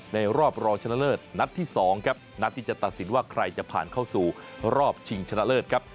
รอบรองชนะเลิศนัดที่๒ครับนัดที่จะตัดสินว่าใครจะผ่านเข้าสู่รอบชิงชนะเลิศครับ